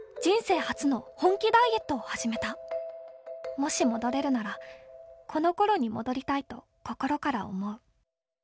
「もし戻れるならこの頃に戻りたいと心から思う」。